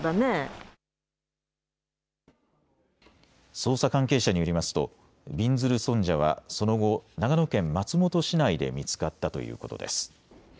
捜査関係者によりますとびんずる尊者はその後、長野県松本市内で見つかったということです。